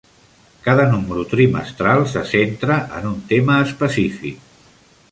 Cada número trimestral se centra en un tema específic.